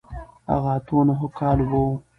هغه اتو نهو کالو به و.